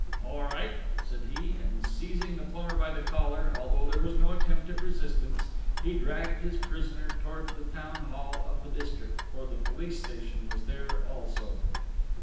"All right!" said he; and seizing the plumber by the collar, although there was no attempt at resistance, he dragged his prisoner towards the town hall of the district, for the police station was there also.